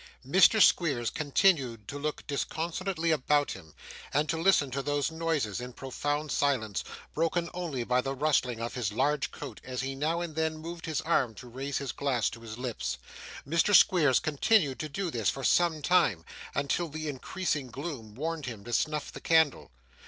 Mr. Squeers continued to look disconsolately about him, and to listen to these noises in profound silence, broken only by the rustling of his large coat, as he now and then moved his arm to raise his glass to his lips. Mr. Squeers continued to do this for some time, until the increasing gloom warned him to snuff the candle.